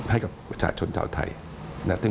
ให้กับประชาชนเจ้าไทย